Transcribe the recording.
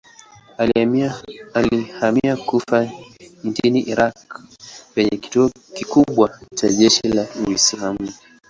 Alihamia Kufa nchini Irak penye kituo kikubwa cha jeshi la Uislamu.